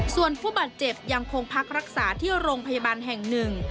ส่วนผู้บาดเจ็บยังคงพักรักษาที่โรงพยาบาลแห่งหนึ่ง